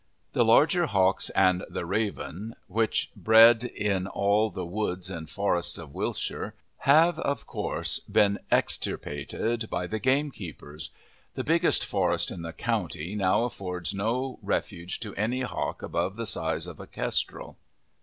The larger hawks and the raven, which bred in all the woods and forests of Wiltshire, have, of course, been extirpated by the gamekeepers. The biggest forest in the county now affords no refuge to any hawk above the size of a kestrel.